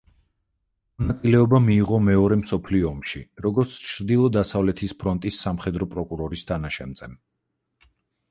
მონაწილეობა მიიღო მეორე მსოფლო ომში როგორც ჩრდილო-დასავლეთის ფრონტის სამხედრო პროკურორის თანაშემწემ.